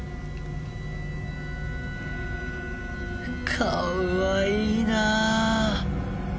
かわいいな。